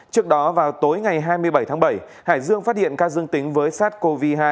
trước đó vào tối ngày hai mươi bảy tháng bảy hải dương phát hiện ca dương tính với sars cov hai